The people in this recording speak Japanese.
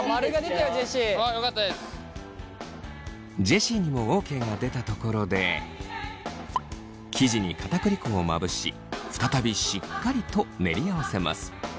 ジェシーにもＯＫが出たところで生地に片栗粉をまぶし再びしっかりと練り合わせます。